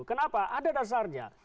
kenapa ada dasarnya